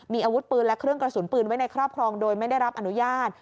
มีอาวุธปืนและเครื่องกระสุนปืนไว้ในครอบครองโดยไม่ได้รับอนุญาต